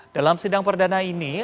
dalam sidang perdana ini